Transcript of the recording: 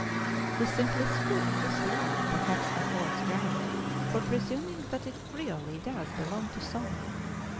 The simplicity of this law perhaps affords ground for presuming that it really does belong to Solon.